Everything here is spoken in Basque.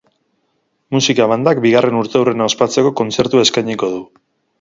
Musika bandak bigarren urteurrena ospatzeko kontzertua eskainiko du.